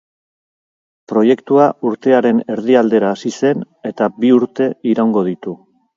Proiektua urtearen erdi aldera hasi zen eta bi urte iraungo ditu.